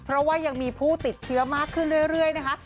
เพราะว่ายังมีผู้ติดเชื้อมากขึ้นเรื่อยนะคะ